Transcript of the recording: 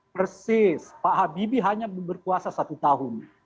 persis pak habibie hanya berkuasa satu tahun